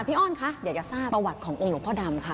พี่อ้อนค่ะเดี๋ยวจะทราบประวัติขององค์หลวงพ่อดำค่ะ